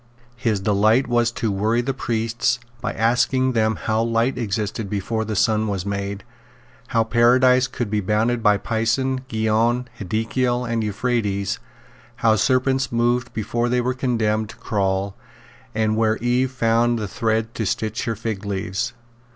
His delight was to worry the priests by asking them how light existed before the sun was made, how Paradise could be bounded by Pison, Gihon, Hiddekel and Euphrates, how serpents moved before they were condemned to crawl, and where Eve found thread to stitch her figleaves.